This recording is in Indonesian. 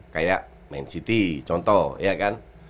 kayak main city contoh ya kan